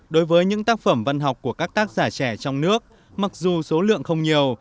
đối với những tác phẩm văn học của các tác giả trẻ trong nước mặc dù số lượng không nhiều